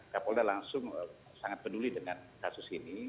kapolda langsung sangat peduli dengan kasus ini